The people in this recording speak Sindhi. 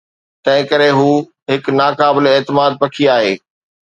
تنهنڪري هو هڪ ناقابل اعتماد پکي آهي.